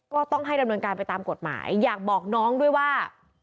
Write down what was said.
ก็ต้องให้ดำเนินการไปตามกฎหมายอยากบอกน้องด้วยว่า